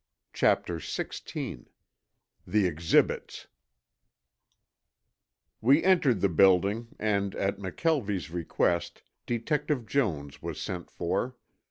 CHAPTER XVI THE EXHIBITS We entered the building and at McKelvie's request Detective Jones was sent for.